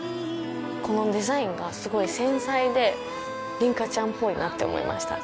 このデザインがすごい繊細で琳加ちゃんっぽいなって思いました。